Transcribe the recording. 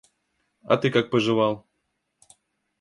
А ты как поживал?